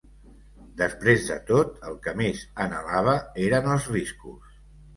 Després de tot, el que més anhelava eren els riscos.